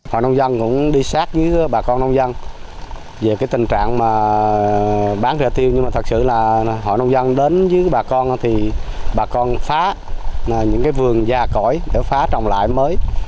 hội nông dân đến với bà con thì bà con phá những cái vườn già cỏi để phá trồng lại mới